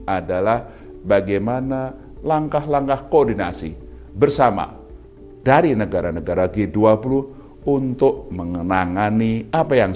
adalah bagaimana langkah langkah koordinasi bersama dari negara negara g dua puluh untuk menangani apa yang